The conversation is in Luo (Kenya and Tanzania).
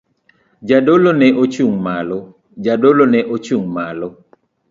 Jadolo ne ochung' malo.